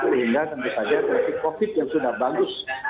sehingga tentu saja covid yang sudah bagus